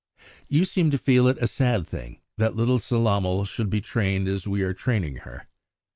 "You seem to feel it a sad thing that little Sellamal should be trained as we are training her.